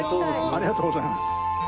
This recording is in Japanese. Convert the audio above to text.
ありがとうございます。